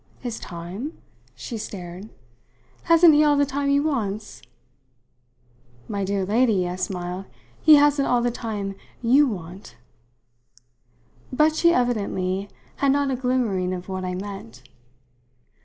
"His time?" She stared. "Hasn't he all the time he wants?" "My dear lady," I smiled, "he hasn't all the time you want!" But she evidently had not a glimmering of what I meant.